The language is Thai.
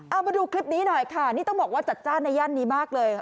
เอามาดูคลิปนี้หน่อยค่ะนี่ต้องบอกว่าจัดจ้านในย่านนี้มากเลย